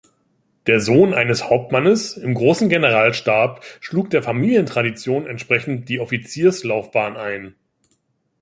Der Sohn eines Hauptmannes im Großen Generalstab schlug der Familientradition entsprechend die Offizierslaufbahn ein.